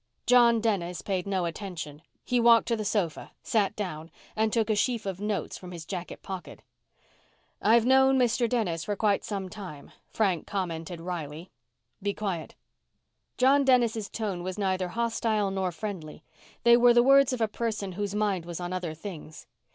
John Dennis paid no attention. He walked to the sofa, sat down, and took a sheaf of notes from his jacket pocket. "I've known Mr. Dennis for quite some time," Frank commented wryly. "Be quiet." John Dennis' tone was neither hostile nor friendly. They were the words of a person whose mind was on other things.